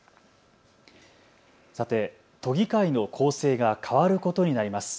さて都議会の構成が変わることになります。